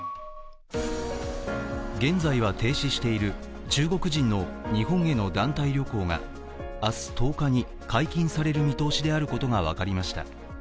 現在は停止している中国人の日本への団体旅行が明日１０日に解禁される見通しであることが分かりました。